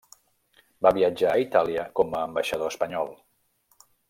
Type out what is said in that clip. Va viatjar a Itàlia com a ambaixador espanyol.